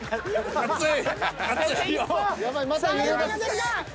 熱い！